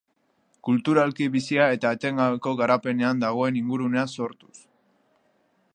Kulturalki bizia eta etengabeko garapenean dagoen ingurunea sortuz.